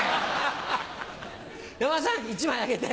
山田さん１枚あげて。